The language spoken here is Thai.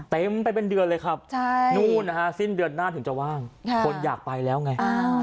เต็มไปเป็นเดือนเลยครับนู่นนะฮะสิ้นเดือนหน้าถึงจะว่างคนอยากไปแล้วไง